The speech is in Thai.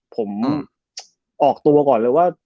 ผมออกตัวก่อนเลยว่า